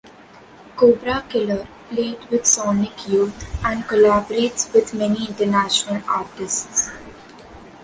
Cobra Killer played with Sonic Youth and collaborates with many international artists.